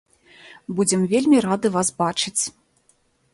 Будзем вельмі рады вас бачыць.